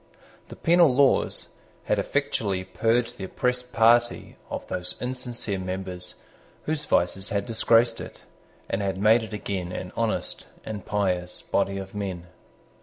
The penal laws had effectually purged the oppressed party of those insincere members whose vices had disgraced it, and had made it again an honest and pious body of men.